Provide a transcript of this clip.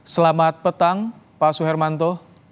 selamat petang pak suhermanto